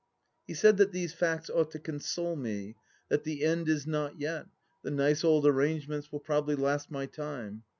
He said that these facts ought to console me, that the end is not yet, the nice old arrangements will probably last my time.